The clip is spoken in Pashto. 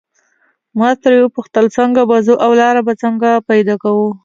ما ترې وپوښتل څنګه به ځو او لاره به څنګه پیدا کوو.